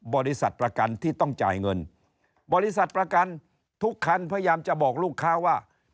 บริษัทประกันที่ต้องจ่ายเงินบริษัทประกันทุกคันพยายามจะบอกลูกค้าว่า